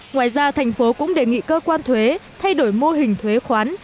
ngoài ra thành phố cũng đề nghị cơ quan thuế thay đổi mô hình thuế khoán